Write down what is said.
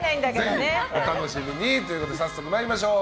ぜひお楽しみということで早速参りましょう。